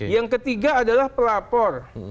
yang ketiga adalah pelapor